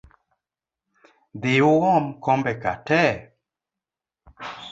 Dhii uom kombe ka tee